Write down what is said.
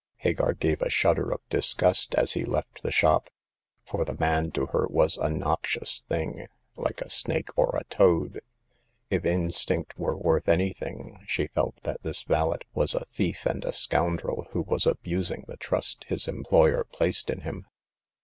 Hagar gave a shudder of disgust as he left the shop ; for the man to her was a noxious thing, like a snake or a toad. If instinct were worth anything, she felt that this valet was a thief and a scoundrel, who was abusing the trust his em ployer placed in him.